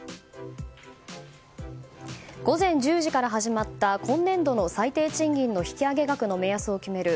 午前１０時から始まった今年度の最低賃金の引き上げ額の目安を決める